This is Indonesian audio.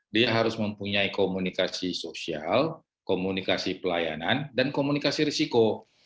dia harus mempunyai komunikasi sosial komunikasi pelayanan dan komunikasi risiko